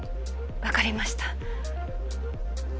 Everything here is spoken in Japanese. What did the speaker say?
わかりました。